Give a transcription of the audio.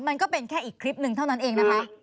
มันก็เป็นแค่อีกคลิปหนึ่งเท่านั้นเองนะคะ